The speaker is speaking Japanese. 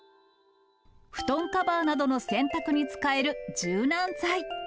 布団カバーなどの洗濯などに使える柔軟剤。